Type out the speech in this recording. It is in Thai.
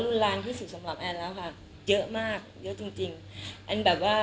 รุนแรงที่สุดสำหรับแอนแล้วค่ะเยอะมากเยอะจริงจริงแอนแบบว่า